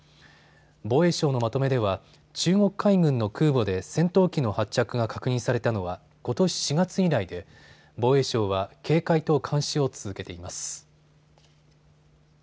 防衛省のまとめでは中国海軍の空母で戦闘機の発着が確認されたのはことし４月以来で防衛省は警戒と監視を続けています。